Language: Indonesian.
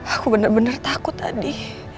aku bener bener takut tadi